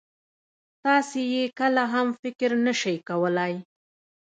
تاسې يې کله هم فکر نه شئ کولای.